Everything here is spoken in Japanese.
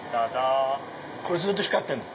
これずっと光ってるの？